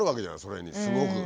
それにすごく。